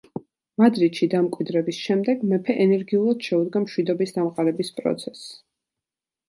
მადრიდში დამკვიდრების შემდეგ, მეფე ენერგიულად შეუდგა მშვიდობის დამყარების პროცესს.